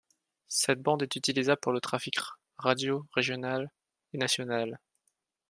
Cette bande est utilisable pour le trafic radio régional et national.